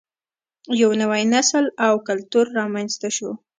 یو نوی نسل او کلتور رامینځته شو